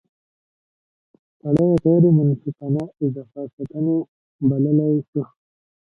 سړی یې غیر منصفانه اضافه ستانۍ بللای شي.